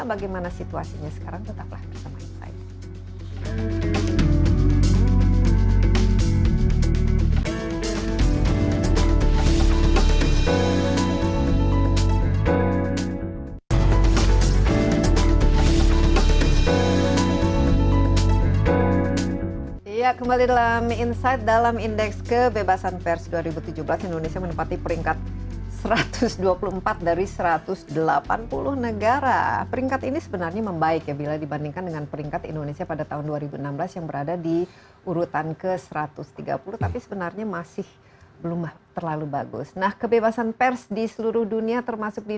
bagaimana situasinya sekarang tetaplah bersama